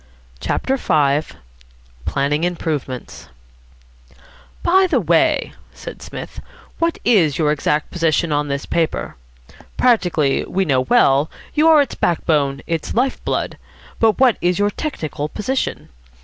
CHAPTER V PLANNING IMPROVEMENTS "By the way," said Psmith, "what is your exact position on this paper? Practically, we know well, you are its back bone, its life blood; but what is your technical position?